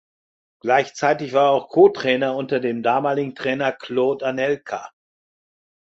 Gleichzeitig war er auch Co-Trainer unter dem damaligen Trainer Claude Anelka.